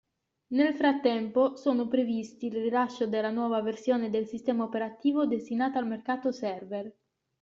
Nel frattempo, sono previsti il rilascio della nuova versione del sistema operativo destinata al mercato server.